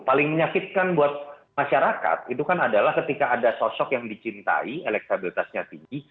paling menyakitkan buat masyarakat itu kan adalah ketika ada sosok yang dicintai elektabilitasnya tinggi